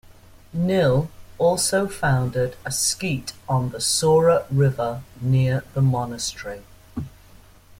Nil also founded a skete on the Sora River near the monastery.